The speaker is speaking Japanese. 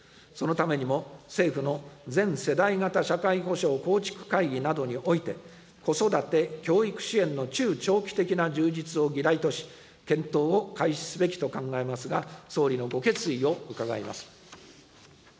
そのためにも、政府の全世代型社会保障構築会議などにおいて、子育て・教育支援の中長期的な充実を議題とし、検討を開始すべきと考えますが、総理のご決意を伺います。